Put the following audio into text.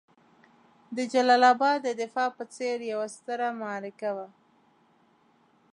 د جلال اباد د دفاع په څېر یوه ستره معرکه وه.